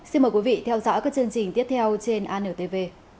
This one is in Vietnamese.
xin mời quý vị theo dõi các chương trình tiếp theo trên antv